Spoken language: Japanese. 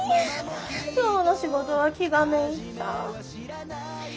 今日の仕事は気がめいった。